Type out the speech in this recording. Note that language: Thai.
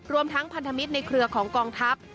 รวมทั้งพันธมิตรในเครือของกองทัพ